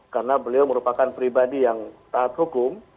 karena beliau merupakan pribadi yang taat hukum